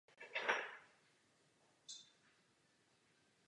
Vanessa se vrací do zemské říše.